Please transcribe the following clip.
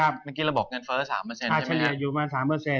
เมื่อกี้เราบอกเงินเฟ้อ๓เปอร์เซ็นต์ใช่ไหมครับ